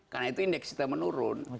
karena itu indeks kita menurun